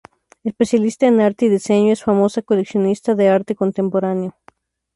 Especialista en arte y diseño, es famosa coleccionista de arte contemporáneo.